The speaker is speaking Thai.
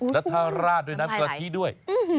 แล้วถ้าราดด้วยน้ำกะทิด้วย